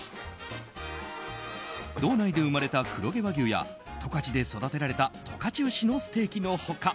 道内で生まれた黒毛和牛や十勝で育てられた十勝牛を使用したステーキの他